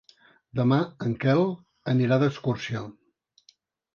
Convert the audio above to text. Demà en Quel anirà d'excursió.